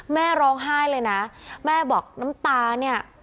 แม่ร้องไห้เลยนะแม่บอกน้ำตาเนี่ย